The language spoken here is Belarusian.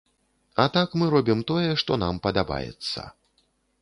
А так, мы робім тое, што нам падабаецца.